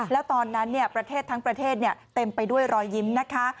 แล้วตอนนั้นประเทศทั้งประเทศเต็มไปด้วยรอยยิ้มนะคะ